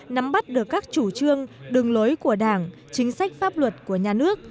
nắm bắt được các chủ trương đường lối của đảng chính sách pháp luật của nhà nước